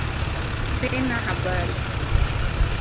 Sina habari